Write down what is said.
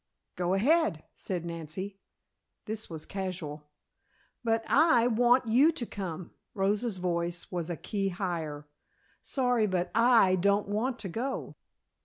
"Go ahead," said Nancy. This was casual. "But I want you to come," Rosa's voice was a key higher. "Sorry, but I don't want to go."